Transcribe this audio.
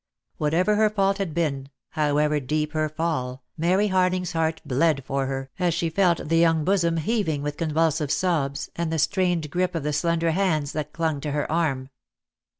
Whatever her fault had been, however deep her fall, Mary Harling's heart bled for her, as she felt the young bosom heaving with convulsive sobs, and the strained grip of the slender hands that clung to her arm.